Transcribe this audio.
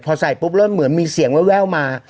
พอใส่ปุ๊บเริ่มเหมือนมีเสียงแววมา